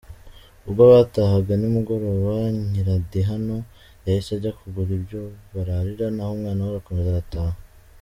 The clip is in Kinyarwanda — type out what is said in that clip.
Ubwo batahaga nimugoroba Nyirandihano yahise ajya kugura ibyo bararira naho umwana we arakomeza arataha.